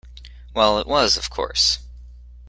Well, it was, of course.